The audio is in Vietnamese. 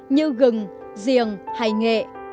như gừng riềng hay nghệ